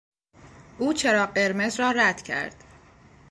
او چراغ قرمز را رد کرد.